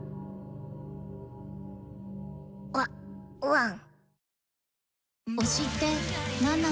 ワワン。